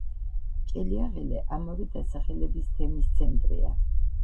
ჭელიაღელე ამავე დასახელების თემის ცენტრია.